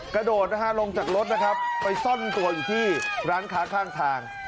กระโดดนะฮะลงจากรถนะครับไปซ่อนตัวอยู่ที่ร้านค้าข้างทาง